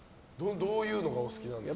どういうのがお好きなんですか？